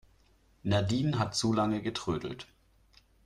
Nadine hat zu lange getrödelt.